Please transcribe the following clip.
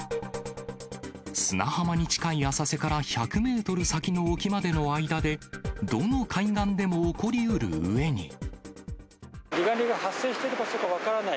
砂浜に近い浅瀬から１００メートル先の沖までの間で、離岸流が発生している場所が分からない。